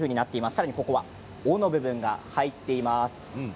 さらに尾の部分が入っています。